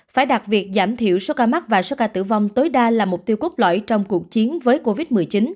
phải đặt việc giảm thiểu số ca mắc và số ca tử vong tối đa là mục tiêu cốt lõi trong cuộc chiến với covid một mươi chín